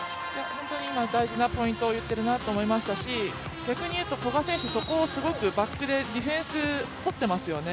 本当に大事なポイントを言っているなと思いますし逆に言うと古賀選手、そこをすごくバックでディフェンスをとっていますよね。